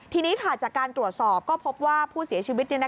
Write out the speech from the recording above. ทีนี้จากการตรวจสอบก็พบว่าผู้เสียชีวิต